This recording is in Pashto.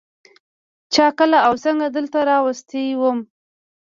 چا کله او څنگه دلته راوستى وم.